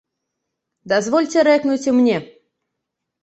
Дазвольце рэкнуць і мне.